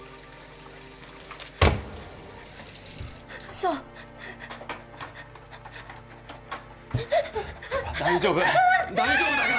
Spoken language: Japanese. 嘘大丈夫大丈夫だから！